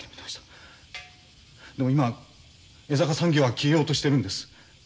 でも今江坂産業は消えようとしてるんです。